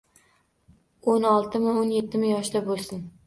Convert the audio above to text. O`n oltimi, o`n etti yoshda bo`lsin